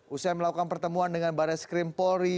usai melakukan pertemuan dengan barat skrim polri